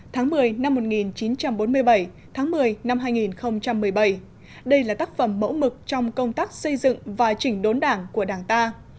tháng một mươi năm một nghìn chín trăm bốn mươi bảy tháng một mươi năm hai nghìn một mươi bảy đây là tác phẩm mẫu mực trong công tác xây dựng và chỉnh đốn đảng của đảng ta